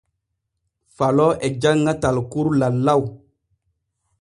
Falo e janŋa talkuru lallaw.